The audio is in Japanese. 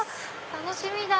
楽しみだ！